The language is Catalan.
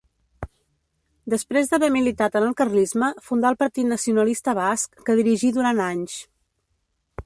Després d'haver militat en el carlisme fundà el Partit Nacionalista Basc, que dirigí durant anys.